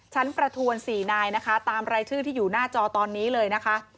ประทวน๔นายนะคะตามรายชื่อที่อยู่หน้าจอตอนนี้เลยนะคะ